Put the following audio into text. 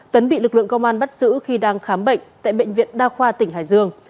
tấn bị lực lượng công an bắt giữ khi đang khám bệnh tại bệnh viện đa khoa tỉnh hải dương